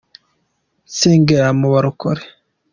nsengera muba rokore